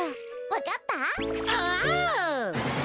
わかった？